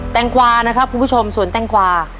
แงกวานะครับคุณผู้ชมส่วนแตงกวา